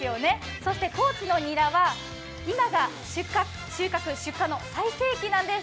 そして高知のニラは今が収穫、出荷の最盛期なんです。